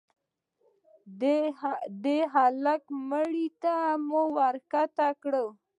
د هلك مړى مو راكښته كړ.